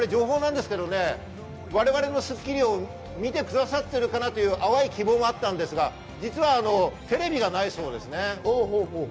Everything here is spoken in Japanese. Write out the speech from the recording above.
我々の『スッキリ』を見てくださっているのかなという淡い希望があったんですが、実はテレビがないそうですね。